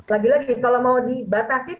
lagi lagi kalau mau dibatasi